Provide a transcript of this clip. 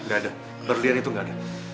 gak ada berlian itu gak ada